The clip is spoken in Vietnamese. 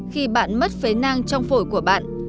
khi bạn mất phế nang trong phổi của bạn